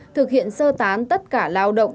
thực hiện sơ tán tất cả lao động